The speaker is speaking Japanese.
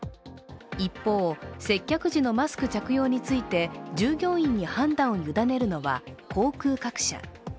一方、接客時のマスク着用について従業員に判断を委ねるのは航空各社。